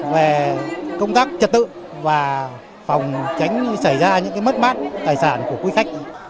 về công tác trật tự và phòng tránh xảy ra những mất mát tài sản của quý khách